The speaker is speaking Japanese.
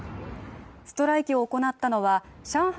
ストライキを行ったのは上海